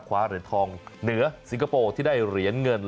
คว้าเหรียญทองเหนือสิงคโปร์ที่ได้เหรียญเงิน